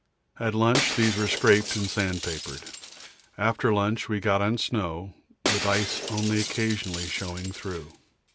At lunch these were scraped and sand papered. After lunch we got on snow, with ice only occasionally showing through.